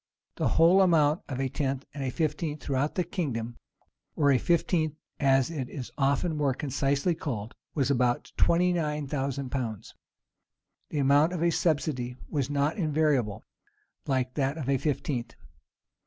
The whole amount of a tenth and a fifteenth throughout the kingdom, or a fifteenth, as it is often more concisely called, was about twenty nine thousand pounds.[] The amount of a subsidy was not invariable, like that of a fifteenth.